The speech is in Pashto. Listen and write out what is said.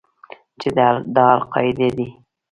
چې دا القاعده دى.